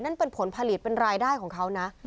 นั่นเป็นผลผลิตเป็นรายได้ของเขานะ